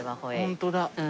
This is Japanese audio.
ホントだ。